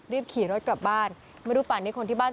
รีบขี่รถกลับบ้าน